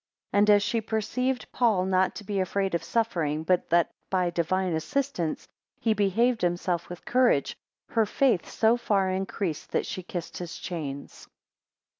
12 And as she perceived Paul not to be afraid of suffering, but that by divine assistance he behaved himself with courage, her faith so far increased that she kissed his chains.